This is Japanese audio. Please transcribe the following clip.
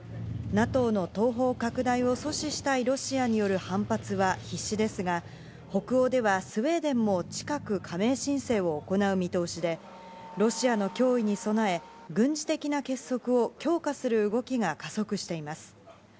ＮＡＴＯの東方拡大を阻止したいロシアによる反発は必至ですが、北欧ではスウェーデンも近く加盟申請を行う見通しで、ロシアの脅威に備え、軍事的な結束を強化する動きが加速しています。